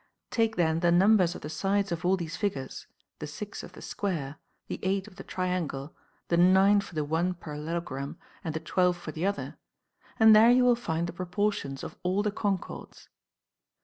Take then the numbers of the sides of all these figures, the 6 of the square, the 8 of the triangle, the 9 for the one parallelogram, and the 12 for the other; and there you will find the proportions of all the concords.